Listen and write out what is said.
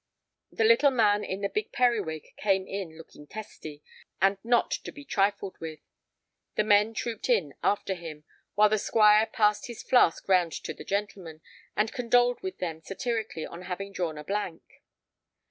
The little man in the big periwig came in looking testy, and not to be trifled with. The men trooped in after him, while the Squire passed his flask round to the gentlemen, and condoled with them satirically on having drawn a "blank."